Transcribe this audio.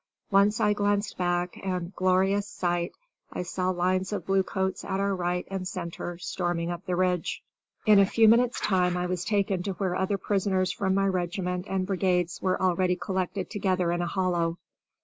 Once I glanced back, and glorious sight! I saw lines of bluecoats at our right and center, storming up the ridge. In a few minutes' time I was taken to where other prisoners from my regiment and brigade were already collected together in a hollow.